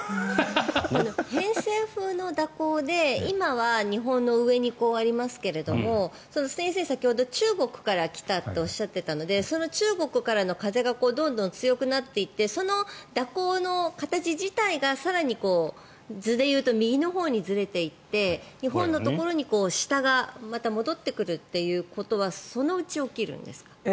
偏西風の蛇行で今は日本の上にありますけど先生、先ほど中国から来たっておっしゃっていたのでその中国からの風がどんどん強くなっていってその蛇行の形自体が更に図で言うと右のほうにずれていって日本のところに下がまた戻ってくるということはそのうち起きるんですか？